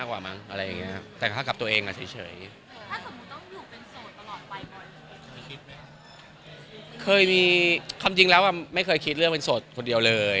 พอแล้วอะไรอย่างเงี้ย